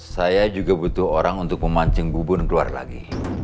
saya juga butuh orang untuk memancing bubun keluar lagi